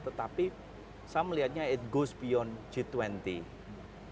tetapi saya melihatnya itu berjalan lebih jauh dari g dua puluh